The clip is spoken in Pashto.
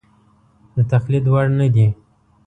د تقلید وړ نه دي.